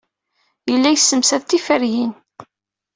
Yella yessemsad tiferyin.